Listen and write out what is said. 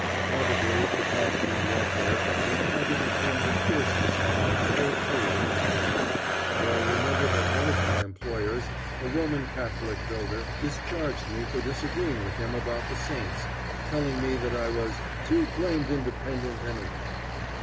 Probably the constant warfare imparted a tinge of fierceness to that whole period of my life, for I remember that one of my employers, a Roman Catholic builder, discharged me for disagreeing with him about the saints, telling me that I was "too blamed independent, anyhow."